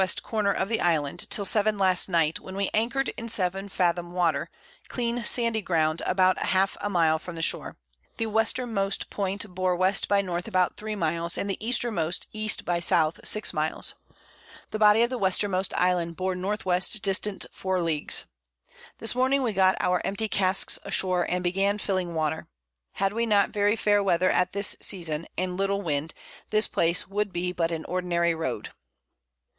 Corner of the Island, till 7 last Night, when we anchor'd in 7 Fathom Water, clean sandy Ground, about half a Mile from the Shore; the Westermost Point bore W. by N. about 3 Miles, and the Eastermost E. by S. 6 Miles. The Body of the Westermost Island bore N. W. distant 4 Leagues. This Morning we got our empty Casks ashore, and began filling Water. Had we not very fair Weather at this Season, and little Wind, this Place would be but an ordinary Road.